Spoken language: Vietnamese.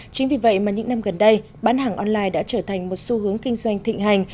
chính vì vậy mà những năm gần đây bán hàng online đã trở thành một xu hướng kinh doanh thịnh hành